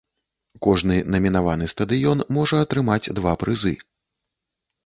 Кожны намінаваны стадыён можа атрымаць два прызы.